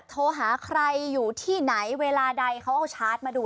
โทรหาใครอยู่ที่ไหนเวลาใดเขาเอาชาร์จมาดู